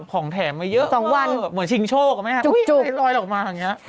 ของแถมมาเยอะมากเลยแบบเหมือนชิงโชคไหมครับอุ๊ยลอยลอยออกมาอย่างนี้จุ๊บ